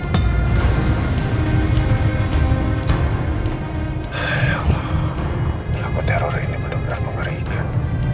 ya allah laku teror ini benar benar mengerikan